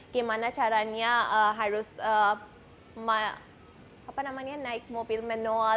gimana caranya harus naik mobil manual